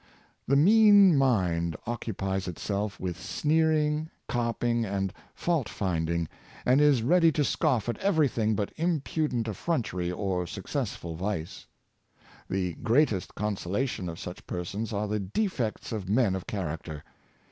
The mean mind occupies itself with sneering, carp ing and fault finding, and is ready to scoff at everything but impudent affrontery or successful vice. The great est consolation of such persons are the defects of men of character.